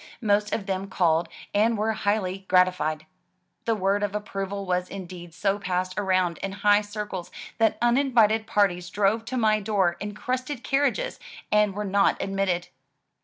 Most of them called and were highly gratified. The word of approval was indeed so passed around in high circles, that uninvited parties drove to my door in crested carriages and were not admitted.